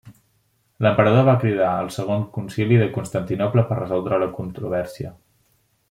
L'emperador va cridar al Segon Concili de Constantinoble per resoldre la controvèrsia.